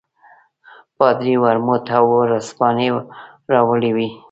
پادري ورموت او ورځپاڼې راوړې وې.